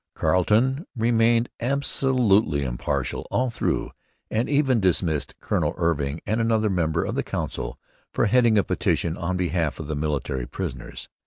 Carleton remained absolutely impartial all through, and even dismissed Colonel Irving and another member of the Council for heading a petition on behalf of the military prisoners.